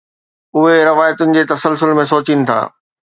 اهي روايتن جي تسلسل ۾ سوچين ٿا.